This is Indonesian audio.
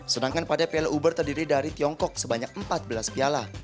sedangkan pada piala uber terdiri dari tiongkok sebanyak empat belas piala